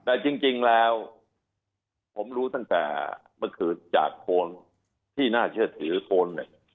แต่จริงแล้วผมรู้ตั้งแต่เมื่อคืนจากโคนที่น่าเชื่อถือโคนเนี่ย